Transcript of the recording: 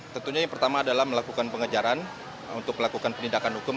tentunya yang pertama adalah melakukan pengejaran untuk melakukan penindakan hukum